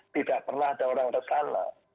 tidak pernah ada orang ke sana